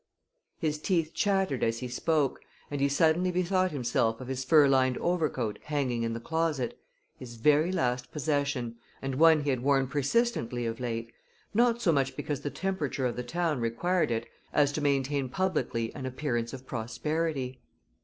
His teeth chattered as he spoke, and he suddenly bethought himself of his fur lined overcoat hanging in the closet, his very last possession, and one he had worn persistently of late, not so much because the temperature of the town required it as to maintain publicly an appearance of prosperity.